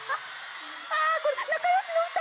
ああこれ仲良しの２人！